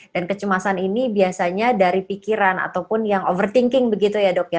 dan kecemasan ini biasanya dari pikiran ataupun yang overthinking begitu ya dok ya